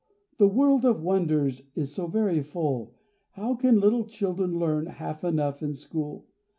the world of wonders Is so very full, How can little children learn Half enough in school?